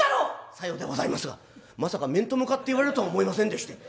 「さようでございますがまさか面と向かって言われるとは思いませんでして。